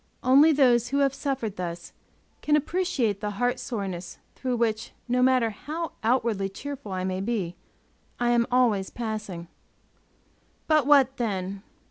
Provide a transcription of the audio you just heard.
Only those who have suffered thus can appreciate the heart soreness through which, no matter how outwardly cheerful I may be, I am always passing. But what then!